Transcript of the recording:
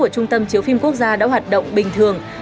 của trung tâm chiếu phim quốc gia đã hoạt động bình thường